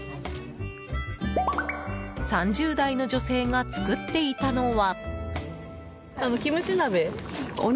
３０代の女性が作っていたのは。